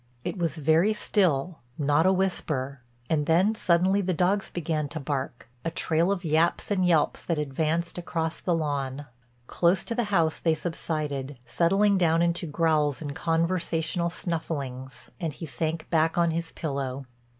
It was very still, not a whisper, and then suddenly the dogs began to bark, a trail of yaps and yelps that advanced across the lawn. Close to the house they subsided, settling down into growls and conversational snufflings, and he sank back on his pillow.